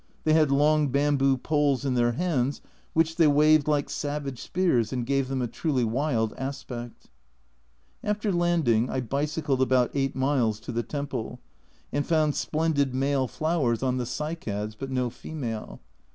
They had long bamboo poles in their hands, which they waved like savage spears, and gave them a truly wild aspect. After landing I bicycled about 8 miles to the temple, and found splendid male flowers on the A Journal from Japan 193 cycads, but no female.